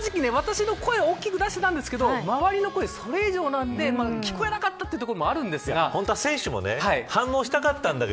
正直、私も声を大きく出していたんですが周りの声もそれ以上だったので聞こえなかったというところもあります。